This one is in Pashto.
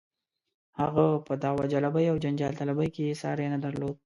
هغه په دعوه جلبۍ او جنجال طلبۍ کې یې ساری نه درلود.